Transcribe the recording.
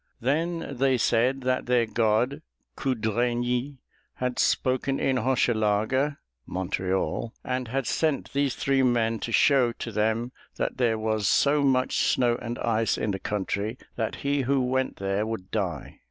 Then they said that their god Cudraigny had spoken in Hochelaga (Montreal) and had sent these three men to show to them that there was so much snow and ice in the country that he who went there would die.